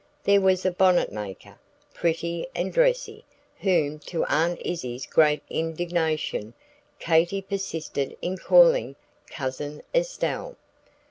There was a bonnet maker, pretty and dressy, whom, to Aunt Izzie's great indignation, Katy persisted in calling "Cousin Estelle!"